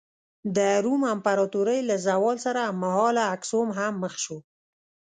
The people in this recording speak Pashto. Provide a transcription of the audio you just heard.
د روم امپراتورۍ له زوال سره هممهاله اکسوم هم مخ شو.